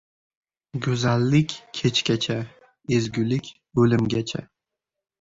• Go‘zallik ― kechgacha, ezgulik ― o‘limgacha.